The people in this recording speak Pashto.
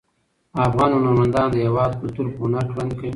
افغان هنرمندان د هیواد کلتور په هنر کې وړاندې کوي.